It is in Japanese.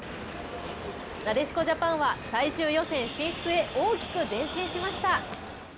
なでしこジャパンは最終予選進出へ大きく前進しました。